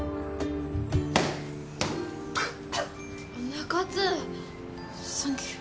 ・中津サンキュー。